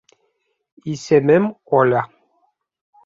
Исемем Оля